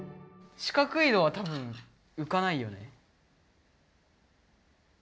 四角いのは多分うかないよね。